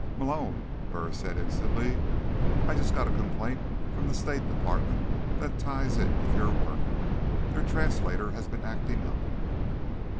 "Malone," Burris said instantly, "I just got a complaint from the State Department that ties in with your work. Their translator has been acting up."